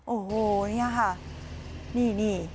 โอ้โหนี่ค่ะนี่